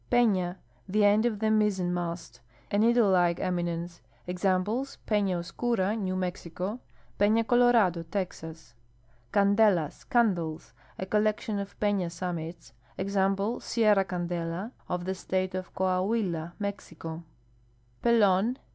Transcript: J'ena (the end of the nii/.zen mast).— A needle like eminence. Exam ples, I'ena Osciira, New Mexico; Pefia Colora<lo, Texas. CnndrluH (candles). — .V collection of pefia summits. Example, Sierra Candela, of the state of Coahnila, Mexiccj. J^i'lon.